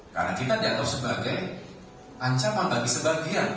karena kita diatur sebagai ancaman bagi sebagian